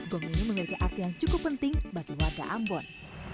gong ini memiliki artian cukup penting bagi warga ambon